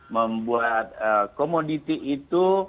membuat komoditi itu